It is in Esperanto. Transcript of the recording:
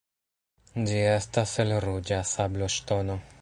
Ĝi estas el ruĝa sabloŝtono.